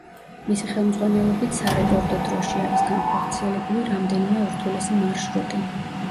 მისი ხელმძღვანელობით სარეკორდო დროში არის განხორციელებული რამდენიმე ურთულესი მარშრუტი.